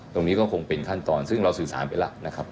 ตรงนี้ก็คงเป็นขั้นตอนซึ่งเราสื่อสารไปแล้วนะครับ